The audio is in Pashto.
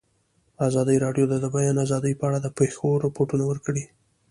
ازادي راډیو د د بیان آزادي په اړه د پېښو رپوټونه ورکړي.